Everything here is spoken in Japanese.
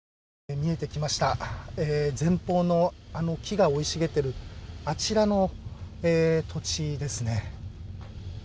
見えてきました、前方のあの木が生い茂ってるあちらの土地ですね。